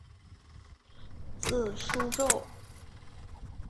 字叔胄。